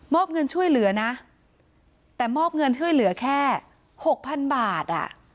มอบเงินช่วยเหลือนะแต่มอบเงินช่วยเหลือแค่๖๐๐๐บาท